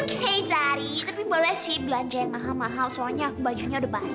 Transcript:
it's okay dari tapi boleh sih belanja yang mahal mahal soalnya bajunya udah basi